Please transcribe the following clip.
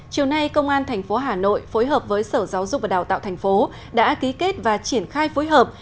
chiều nay công an tp hà nội phối hợp với sở giáo dục và đào tạo thành phố đã ký kết và triển khai phối hợp